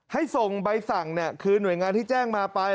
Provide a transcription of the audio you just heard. ให้ส่งใบสั่งเนี่ยคือหน่วยงานที่แจ้งมาไป